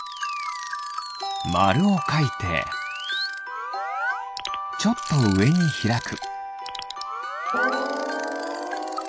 まるをかいてちょっとうえにひらく。